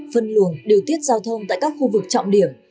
phân luồng điều tiết giao thông tại các khu vực trọng điểm